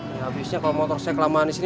ya biasanya kalo motor saya kelamaan disini